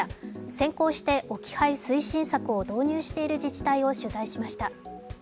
先行して置き配推進策を導入している自治体を取材しました。